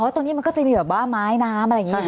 ตรงนี้มันก็จะมีแบบว่าไม้น้ำอะไรอย่างนี้